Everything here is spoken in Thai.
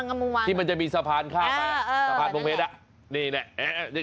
งามงวานที่มันจะมีสะพานข้ามไปนะสะพานพงเพชรนั่นแหละเออเออแบบนั้นแหละ